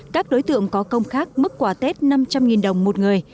các đối tượng có công khác mức quà tết năm trăm linh đồng một người